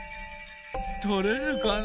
とれるかな？